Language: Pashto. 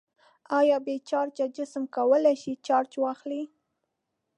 آیا بې چارجه جسم کولی شي چارج واخلي؟